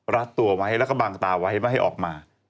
รัดตัวไว้แล้วก็บังตาไว้ไม่ให้ออกมา